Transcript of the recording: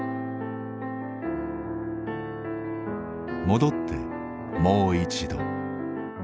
戻ってもう一度。